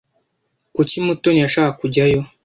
Kuki Mutoni yashaka kujyayo?